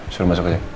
suruh masuk aja